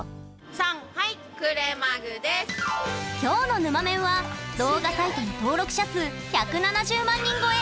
さんはい今日のぬまメンは動画サイトの登録者数１７０万人超え！